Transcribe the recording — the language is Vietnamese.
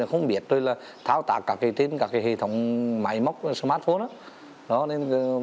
không biết rồi là thao tạc các cái tin các cái hệ thống máy móc smartphone